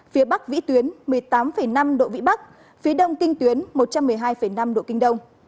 phía bắc vĩ tuyến một mươi tám năm độ vĩ bắc phía đông kinh tuyến một trăm một mươi hai năm độ kinh đông